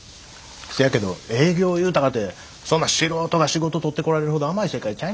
せやけど営業いうたかてそんな素人が仕事取ってこられるほど甘い世界ちゃいますで。